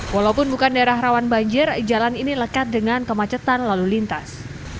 walaupun bukan daerah rawan banjir jalan ini lekat dengan kemacetan lalu lintas